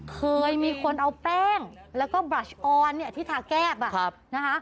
เคยมีคนเอาแป้งแล้วก็บราชออนที่ทาแก้บ